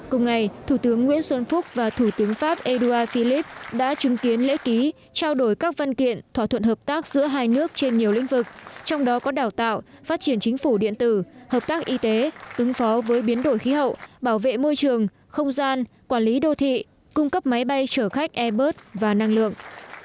cùng ngày thủ tướng nguyễn xuân phúc và thủ tướng pháp edouard philippe đã chứng kiến lễ ký trao đổi các văn kiện thỏa thuận hợp tác giữa hai nước trên nhiều lĩnh vực trong đó có đào tạo phát triển chính phủ điện tử hợp tác y tế ứng phó với biến đổi khí hậu bảo vệ môi trường không gian quản lý đô thị cung cấp máy bay trở khách e bird và năng lượng